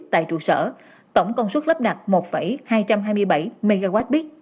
tại trụ sở tổng công suất lắp đặt một hai trăm hai mươi bảy mwp